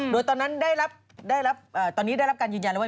โดยตอนนั้นได้รับตอนนี้ได้รับการยืนยันแล้วว่า